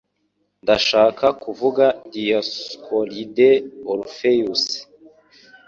Ndashaka kuvuga Dioscoride Orpheus